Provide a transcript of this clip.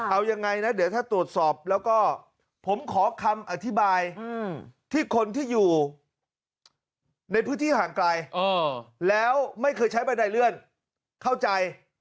เอายังไงนะเดี๋ยวถ้าตรวจสอบแล้วก็ผมขอคำอธิบายที่คนที่อยู่ในพื้นที่ห่างไกลแล้วไม่เคยใช้บันไดเลื่อนเข้าใจ